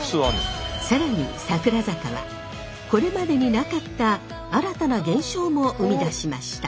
更に桜坂はこれまでになかった新たな現象も生み出しました。